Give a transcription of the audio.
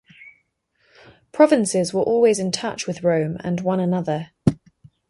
Provinces were always in touch with Rome and one another.